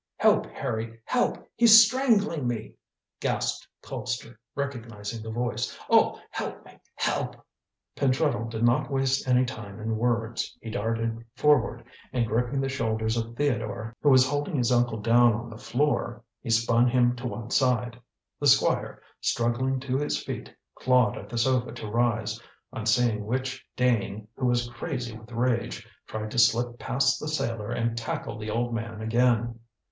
"Help, Harry, help! He's strangling me!" gasped Colpster, recognizing the voice. "Oh! help me! Help!" Pentreddle did not waste any time in words. He darted forward, and gripping the shoulders of Theodore, who was holding his uncle down on the floor, he spun him to one side. The Squire, struggling to his feet, clawed at the sofa to rise, on seeing which Dane, who was crazy with rage, tried to slip past the sailor and tackle the old man again.